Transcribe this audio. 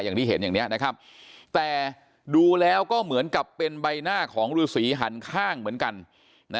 อย่างที่เห็นอย่างนี้นะครับแต่ดูแล้วก็เหมือนกับเป็นใบหน้าของฤษีหันข้างเหมือนกันนะ